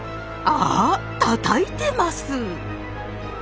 あったたいてます！